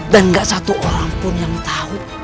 gak satu orang pun yang tahu